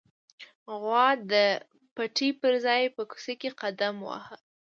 غوا د پټي پر ځای په کوڅه کې قدم واهه.